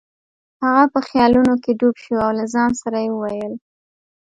هغه په خیالونو کې ډوب شو او له ځان سره یې وویل.